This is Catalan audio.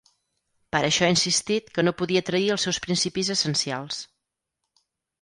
Per això ha insistit que no podia trair els seus principis essencials.